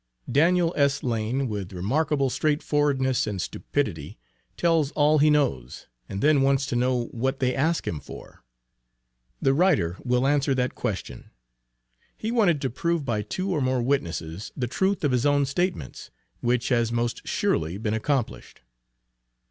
Daniel S. Lane, with remarkable straight forwardness and stupidity, tells all he knows, and then wants to know what they ask him for. The writer will answer that question. He wanted to prove by two or more witnesses, the truth of his own statements; which has most surely been accomplished.